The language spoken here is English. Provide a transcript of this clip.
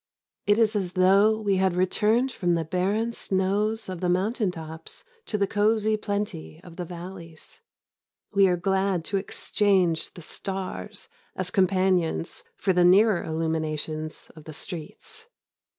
It is as though we had returned from the barren snows of the mountain tops to the cosy plenty of the valleys. We are glad to exchange the stars as companions for the nearer illuminations of the streets.